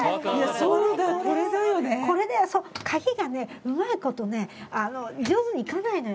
そう鍵がねうまい事ね上手にいかないのよ。